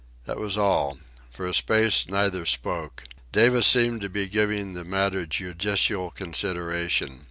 That was all. For a space neither spoke. Davis seemed to be giving the matter judicial consideration.